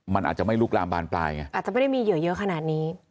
มันอาจจะไม่ลุกลามบานปลายไงอาจจะไม่ได้มีเหยื่อเยอะขนาดนี้